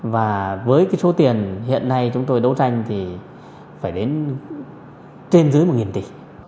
và với số tiền hiện nay chúng tôi đấu tranh thì phải đến trên dưới một tỷ